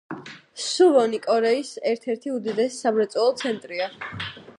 სუვონი კორეის ერთ-ერთი უდიდესი სამრეწველო ცენტრია.